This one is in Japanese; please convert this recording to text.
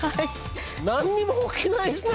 何にも動きないですね。